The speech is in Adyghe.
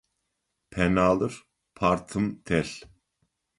Пеналыр партым телъ.